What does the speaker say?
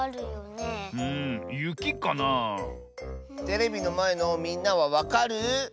テレビのまえのみんなはわかる？